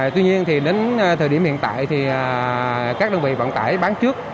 tuy nhiên thì đến thời điểm hiện tại thì các đơn vị vận tải bán trước